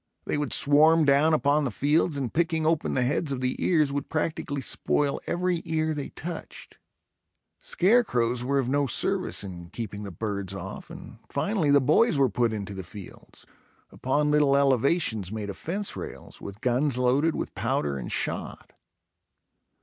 They would swarm down upon the fields and picking open the heads of the ears, would practically spoil every ear they touched. Scare crows were of no service in keeping the birds off, and finally the boys were put into the fields, upon little elevations made of fence rails, with guns loaded with powder and shot.